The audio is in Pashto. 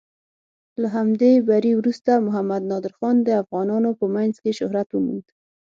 له همدې بري وروسته محمد نادر خان د افغانانو په منځ کې شهرت وموند.